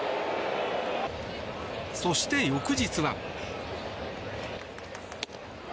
そして翌日は。